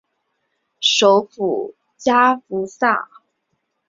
首府加夫萨。